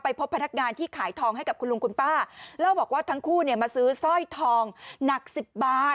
พบพนักงานที่ขายทองให้กับคุณลุงคุณป้าเล่าบอกว่าทั้งคู่เนี่ยมาซื้อสร้อยทองหนักสิบบาท